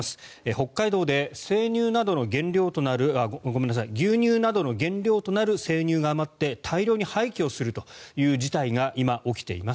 北海道で牛乳などの原料となる生乳が余って大量に廃棄をするという事態が今、起きています。